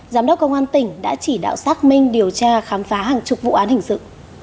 giám đốc công an tỉnh đã chỉ đạo xác minh điều tra khám phá hàng chục vụ án hình sự